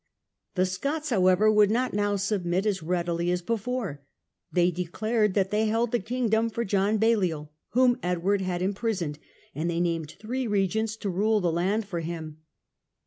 The Scots, however, would not now submit as readily as before. They declared that they held the kingdom for John Balliol, whom Edward had im The Rising prisoned, and they named three regents to of Scotland, rule the land for him.